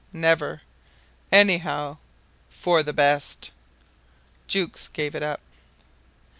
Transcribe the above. ... Never Anyhow ... for the best." Jukes gave it up.